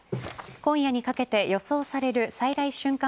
今夜にかけて予想される最大瞬間